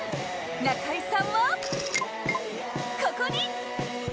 中居さんはここに。